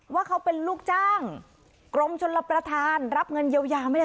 ว่าเขาเป็นลูกจ้างกรมชนรับประทานรับเงินเยียวยาไม่ได้